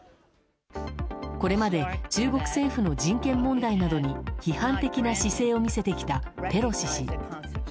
これまで中国政府の人権問題などに批判的な姿勢を見せてきたペロシ氏。